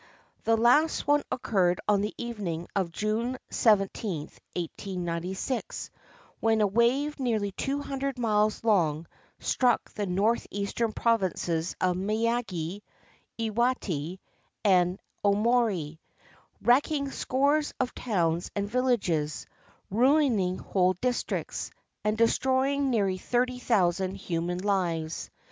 The last one occurred on the evening of June 17, 1896, when a wave nearly two hundred miles long struck the north eastern provinces of Miyagi, Iwate, and Aomori, wreck ing scores of towns and villages, ruining whole districts, and destroying nearly thirty thousand human lives.